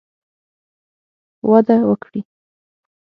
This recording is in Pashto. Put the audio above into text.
وده وکړي